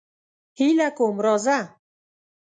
هیله کوم راځه.